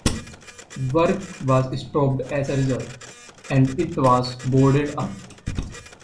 Work was stopped as a result, and it was boarded up.